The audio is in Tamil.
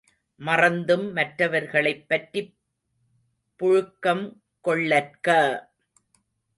மறந்தும் மற்றவர்களைப் பற்றிப் புழுக்கம் கொள்ளற்க!